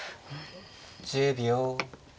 １０秒。